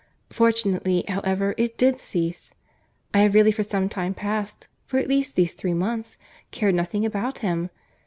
Fortunately, however, it did cease. I have really for some time past, for at least these three months, cared nothing about him.